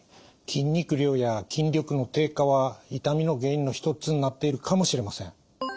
筋肉量や筋力の低下は痛みの原因の一つになっているかもしれません。